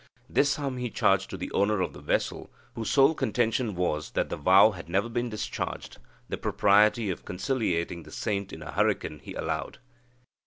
This sum he charged to the owner of the vessel, whose sole contention was that the vow had never been discharged; the propriety of conciliating the saint in a hurricane he allowed.